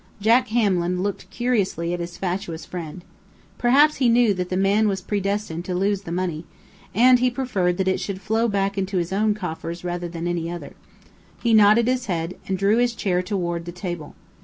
Jack Hamlin looked curiously at his fatuous friend. Perhaps he knew that the man was predestined to lose the money, and preferred that it should flow back into his own coffers rather than any other. He nodded his head, and drew his chair toward the table.